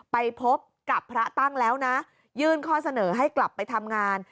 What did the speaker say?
ไปพบกับพระตั้งแล้วนะยื่นข้อเสนอให้กลับไปทำงาน